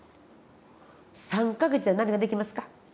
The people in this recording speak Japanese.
３か月で何ができますか。